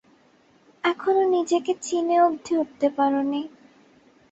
এখনো নিজেকে চিনে অব্ধি উঠতে পারোনি।